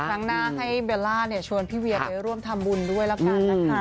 ครั้งหน้าให้เบลล่าชวนพี่เวียไปร่วมทำบุญด้วยแล้วกันนะคะ